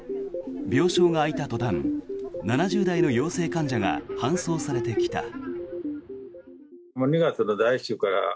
病床が空いた途端７０代の陽性患者が搬送されてきた。